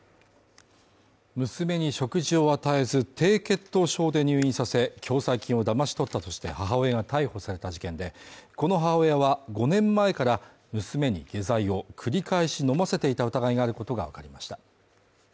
娘に食事を与えず低血糖症で入院させ、共済金をだまし取ったとして母親が逮捕された事件で、この母親は５年前から娘に下剤を繰り返し飲ませていた疑いがあることがわかりました。